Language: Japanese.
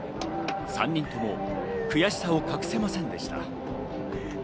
３人とも悔しさを隠せませんでした。